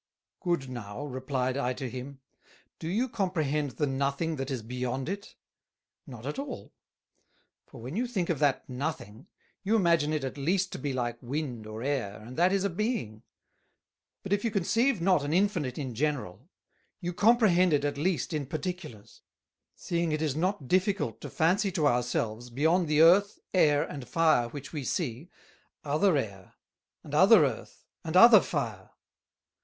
"Good now," replied I to him, "do you comprehend the Nothing that is beyond it? Not at all. For when you think of that Nothing, you imagine it at least to be like Wind or Air, and that is a Being: But if you conceive not an Infinite in general, you comprehend it at least in particulars; seeing it is not difficult to fancy to our selves, beyond the Earth, Air, and Fire which we see, other Air, and other Earth, and other Fire.